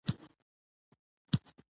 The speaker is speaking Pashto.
د لندن بنسټونه وښورول سول.